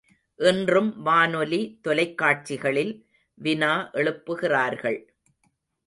இன்றும் வானொலி, தொலைக்காட்சிகளில் வினா எழுப்புகிறார்கள்.